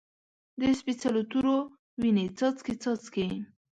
د سپیڅلو تورو، وینې څاڅکي، څاڅکي